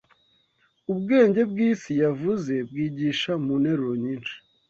Ubwenge bw'isi yavuze bwigisha mu nteruro nyinshi